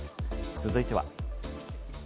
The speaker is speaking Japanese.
続いては。